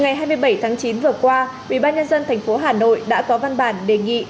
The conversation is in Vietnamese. ngày hai mươi bảy tháng chín vừa qua ubnd tp hà nội đã có văn bản đề nghị